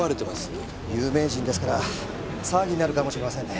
有名人ですから騒ぎになるかもしれませんね。